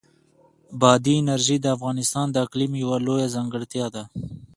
بادي انرژي د افغانستان د اقلیم یوه لویه ځانګړتیا ده.